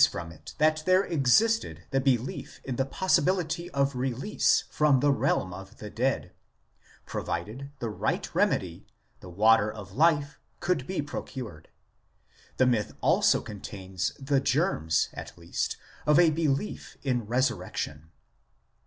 SHEOL, THE PLACE OF THE DEPARTED 85 it that there existed the belief in the possibility of release from the realm of the dead, provided the right remedy, the Water of Life, could be procured ; the myth also contains the germs, at least, of a belief in resurrection.